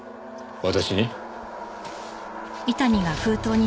私に？